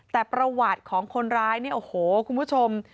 แต่ประวัติของคนร้ายเนี่ยโอ้โหคุณผู้ชม